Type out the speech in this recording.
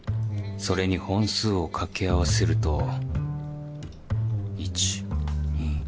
それに本数を掛け合わせると。